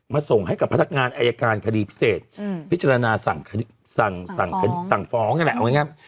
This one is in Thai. ส่งให้กับพนักงานอายการคดีพิเศษพิจารณาสั่งฟ้องนั่นแหละเอาง่าย